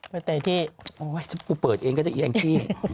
ไปที่โอ้โฮถ้าเปิดเองก็จะเอียงพี่